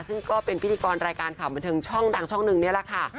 ซึ่งก็เป็นพิธีกรรายการข่าวบันเทิงช่องดังช่องหนึ่งนี่แหละค่ะ